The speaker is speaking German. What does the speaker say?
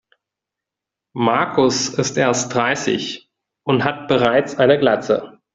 Markus ist erst dreißig und hat bereits eine Glatze.